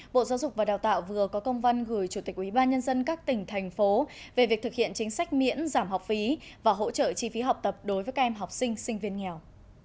bộ giáo dục và đào tạo vừa có công văn gửi chủ tịch ubnd các tỉnh thành phố về việc thực hiện chính sách miễn giảm học phí và hỗ trợ chi phí học tập đối với các em học sinh sinh viên nghèo